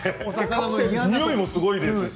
においもすごいですし。